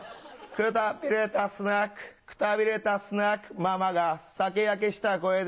くたびれたスナックくたびれたスナックママが酒やけした声で。